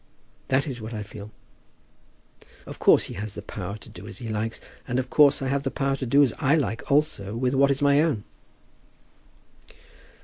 That is what I feel. Of course he has the power to do as he likes; and of course I have the power to do as I like also with what is my own."